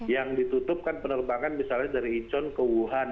yang ditutup kan penerbangan misalnya dari incheon ke wuhan